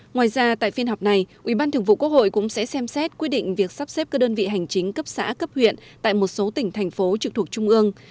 ngoài ra tại phiên họp này ủy ban thường vụ quốc hội cũng sẽ xem xét quy định việc sắp xếp các đơn vị hành chính cấp xã cấp huyện tại một số tỉnh thành phố trực thuộc trung ương